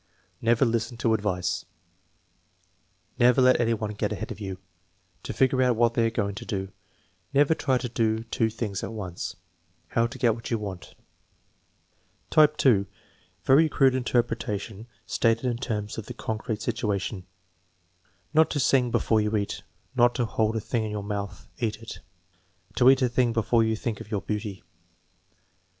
"Never listen to advice." "Never let any one get ahead of you." "To figure out what they are going 296 THE MEASUREMENT OF INTELLIGENCE to do." "Never try to do two things at once." "How to get what you want." Type (2), very crude interpretation stated in terms of the con crete situation: "Not to sing before you eat." "Not to hold a tiling in your month; cat it." "To eat a tiling before you think of your beauty."